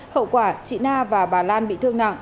hậu quả chị na và bà lan bị thương nặng